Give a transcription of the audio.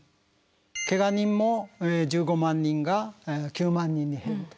けが人も１５万人が９万人に減ると。